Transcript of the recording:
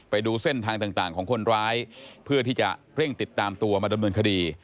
ไปดูเส้นทางต่างของคนร้ายเพื่อที่จะเร่งติดตามตัวมาดำเนินคดี